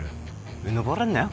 うぬぼれんなよ